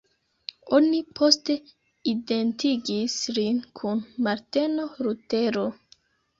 Oni poste identigis lin kun Marteno Lutero.